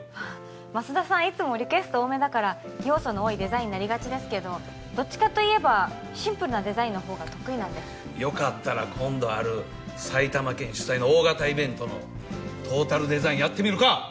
舛田さんいつもリクエスト多めだから要素の多いデザインになりがちですけどどっちかといえばシンプルなデザインのほうが得意なんでよかったら今度ある埼玉県主催の大型イベントのトータルデザインやってみるか？